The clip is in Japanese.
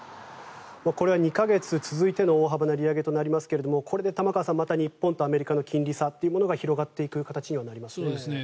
これは２か月続いての大幅な利上げとなりますがこれで玉川さん、また日本とアメリカの金利差というものが広がっていく形にはなりますよね。